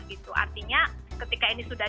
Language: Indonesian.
gitu artinya ketika ini sudah